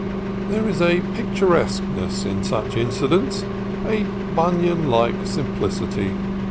There is a picturesqueness in such incidents, a Bunyan like simplicity.